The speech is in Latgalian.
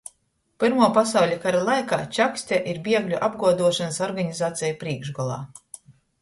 Pyrmuo pasauļa kara laikā Čakste ir biegļu apguoduošonys organizaceju prīškgolā,